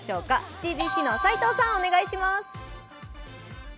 ＣＢＣの斉藤さん、お願いします。